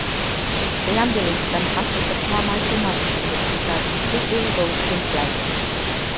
The ambulance then passes the Carmichael mansion, which is now completely engulfed in flames.